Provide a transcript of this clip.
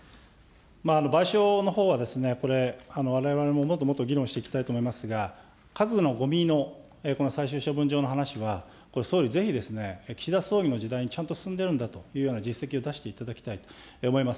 賠償のほうはですね、これ、われわれももっともっと議論していきたいと思いますが、核のごみのこの最終処分場の話は、これ、総理ぜひですね、岸田総理の時代にちゃんと進んでるんだというふうな実績を出していただきたいと思います。